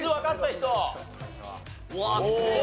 うわすごい！